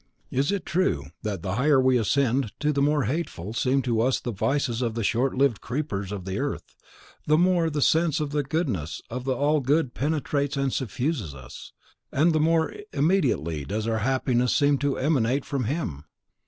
It is true that the higher we ascend the more hateful seem to us the vices of the short lived creepers of the earth, the more the sense of the goodness of the All good penetrates and suffuses us, and the more immediately does our happiness seem to emanate from him.